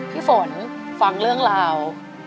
พี่ฝนฟังเรื่องราว